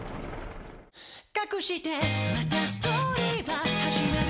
「かくしてまたストーリーは始まる」